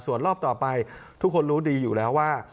ส่วนรอบต่อไปทุกคนรู้ดีอยู่แล้วว่า